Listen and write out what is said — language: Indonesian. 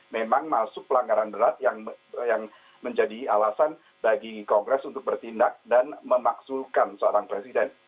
memang masuk pelanggaran berat yang menjadi alasan bagi kongres untuk bertindak dan memaksulkan seorang presiden